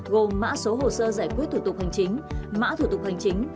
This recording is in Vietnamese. gồm mã số hồ sơ giải quyết thủ tục hành chính mã thủ tục hành chính